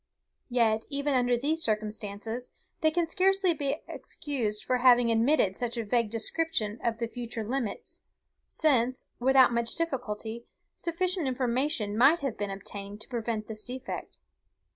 Yet, even under these circumstances, they can scarcely be excused for having admitted such a vague description of the future limits, since, without much difficulty, sufficient information might have been obtained to prevent this defect.